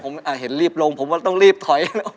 ผมเห็นรีบลงผมว่าต้องรีบถอย